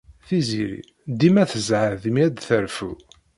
Tiziri dima tzeɛɛeḍ mi ad terfu.